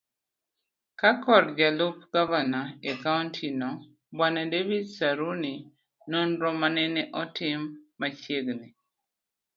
kakor jalup Gavana e kaonti no Bw.David Saruni nonro manene otim machiegni